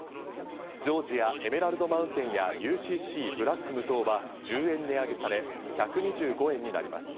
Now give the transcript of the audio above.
「ジョージアエメラルドマウンテン」や「ＵＣＣＢＬＡＣＫ無糖」は１０円値上げされ、１２５円になります。